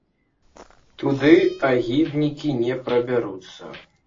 Туды агіднікі не прабяруцца.